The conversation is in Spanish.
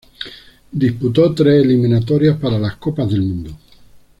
Disputó tres eliminatorias para las copas del mundo.